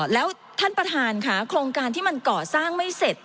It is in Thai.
แล้วท่านประธานค่ะโครงการที่มันก่อสร้างไม่เสร็จ